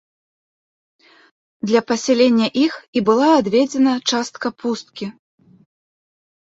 Для пасялення іх і была адведзена частка пусткі.